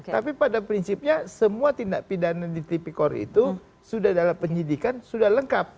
tapi pada prinsipnya semua tindak pidana di tipikor itu sudah dalam penyidikan sudah lengkap